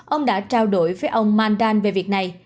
ông đã trao đổi với ông mandan về việc này